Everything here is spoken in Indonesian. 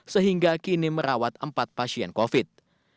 sehingga kini merawat empat pasien covid